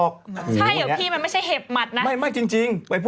เข้าได้จริงใช่ไหม